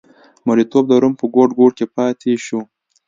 مریتوب د روم په ګوټ ګوټ کې پاتې شو.